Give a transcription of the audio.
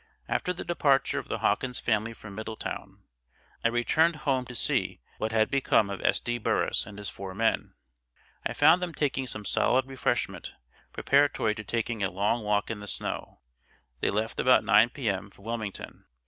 After the departure of the Hawkins family from Middletown, I returned home to see what had become of S.D. Burris and his four men. I found them taking some solid refreshment, preparatory to taking a long walk in the snow. They left about nine P.M., for Wilmington.